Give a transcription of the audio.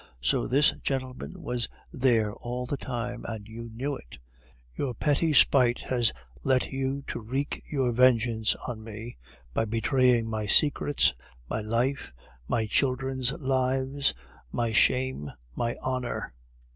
So this gentleman was there all the time, and you knew it! Your petty spite has let you to wreak your vengeance on me by betraying my secrets, my life, my children's lives, my shame, my honor!